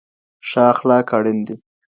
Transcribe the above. ښه اخلاق اړين دي.